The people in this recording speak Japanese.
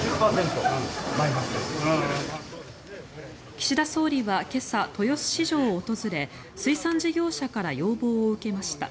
岸田総理は今朝、豊洲市場を訪れ水産事業者から要望を受けました。